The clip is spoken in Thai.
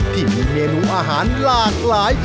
ที่มีเมนูอาหารหลากหลาย